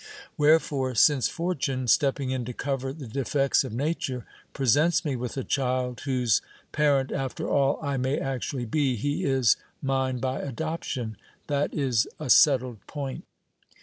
Wherefore, since fortune, stepping in to cover the defects of nature, presents me with a child whose parent after all I may actually be, he is mine by adoption ; that is a settled point.